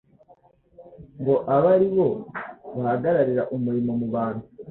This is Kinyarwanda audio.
ngo abe aribo bahagararira umurimo mu bantu,